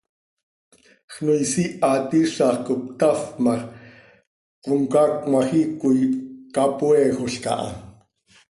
Xnoois ihaat iizax cop cötafp ma x, comcaac cmajiic quih capoeejolca ha.